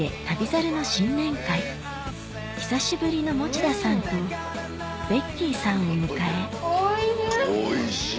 久しぶりの持田さんとベッキーさんを迎えおいしい！